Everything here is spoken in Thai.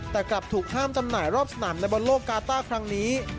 แต่กลับถูกห้ามจำหน่ายรอบสนามในบอลโลกกาต้าครั้งนี้